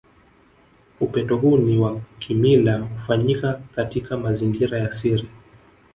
Upendo huu ni wa kimila hufanyika katika mazingira ya siri